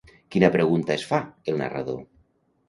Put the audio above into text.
Quina pregunta es fa el narrador?